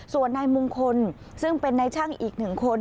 ส่วนนายมงคลซึ่งเป็นนายช่างอีกหนึ่งคน